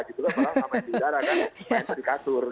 malah main di udara main sedikatur